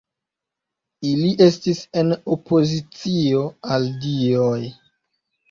Ili estis en opozicio al dioj.